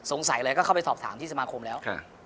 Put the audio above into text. สงสัยเลยก็เข้าไปสอบถามที่สมาคมแล้ว